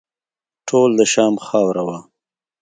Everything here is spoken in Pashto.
ټول د شام خاوره وه.